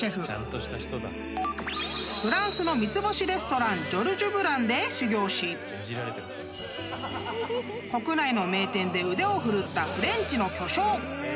［フランスの三つ星レストランジョルジュ・ブランで修業し国内の名店で腕を振るった］